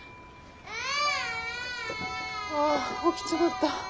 ・ああ起きちまった。